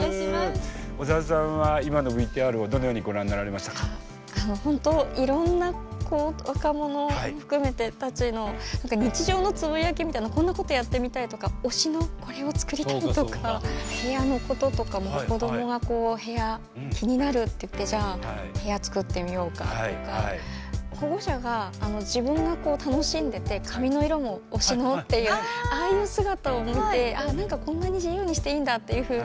小澤さんは今のＶＴＲをどのようにご覧になられましたか？本当いろんな子若者を含めて日常のつぶやきみたいなこんなことやってみたいとか推しのこれを作りたいとか部屋のこととかも子どもが部屋気になるっていって部屋作ってみようかとか保護者が自分が楽しんでて髪の色も推しのっていうああいう姿を見て何かこんなに自由にしていいんだというふうに。